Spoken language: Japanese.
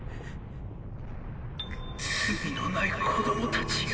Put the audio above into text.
「罪の無い子供たちよ」。